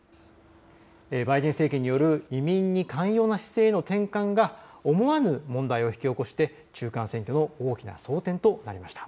バイデン政権による移民に寛容な姿勢の転換が思わぬ問題を引き起こして中間選挙の大きな争点となりました。